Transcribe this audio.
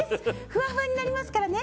ふわふわになりますからね。